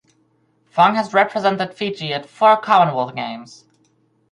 Fong has represented Fiji at four Commonwealth Games.